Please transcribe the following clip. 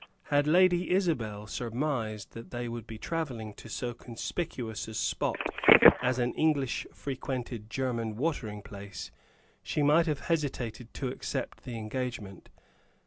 Had Lady Isabel surmised that they would be travelling to so conspicuous a spot as an English frequented German watering place, she might have hesitated to accept the engagement.